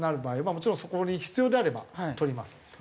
もちろんそこに必要であれば撮ります。